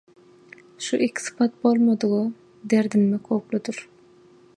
Şu iki sypat bolmadyga derdinmek howpludyr.